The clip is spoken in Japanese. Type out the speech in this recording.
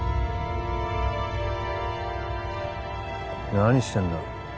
何してんだ？